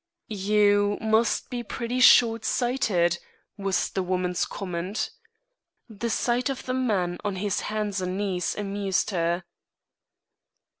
"You must be pretty short sighted," was the woman's comment. The sight of the man on his hands and knees amused her.